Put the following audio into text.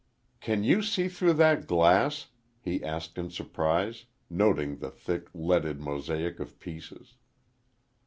"Can you see through that glass?" he asked in surprise, noting the thick, leaded mosaic of pieces.